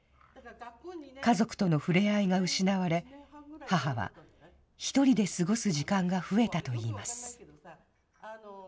家族との触れ合いが失われ、母は１人で過ごす時間が増えたといいます。